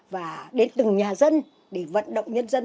và đến từng nhà dân để vận động nhân dân